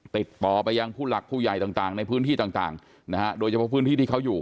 ติดต่อไปยังผู้หลักผู้ใหญ่ต่างในพื้นที่ต่างนะฮะโดยเฉพาะพื้นที่ที่เขาอยู่